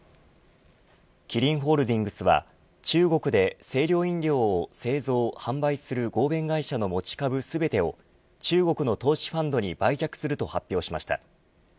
キリンホールディングスは中国で清涼飲料を製造、販売する合弁会社の持ち株全てを中国の投資ファンドに売却すると発表しました。